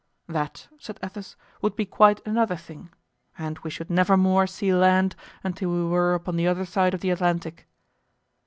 "That," said Athos, "would be quite another thing; and we should nevermore see land until we were upon the other side of the Atlantic."